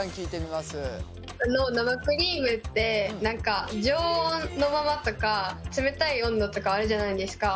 あの生クリームって常温のままとか冷たい温度とかあるじゃないですか。